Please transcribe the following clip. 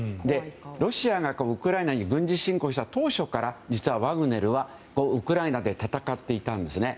ロシアがウクライナに軍事侵攻した当初から実はワグネルはウクライナで戦っていたんですね。